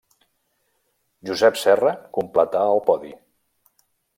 Josep Serra completà el podi.